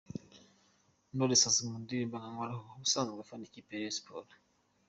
Knowless : Azwi mu ndirimbo “nkoraho” ubusanzwe afana ikipe ya Rayon Sport.